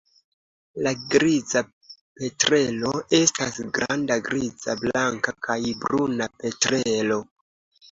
La Griza petrelo estas granda griza, blanka kaj bruna petrelo.